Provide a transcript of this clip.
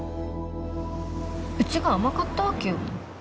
うちが甘かったわけよ。